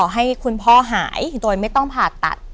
ให้คุณพ่อหายโดยไม่ต้องผ่าตัด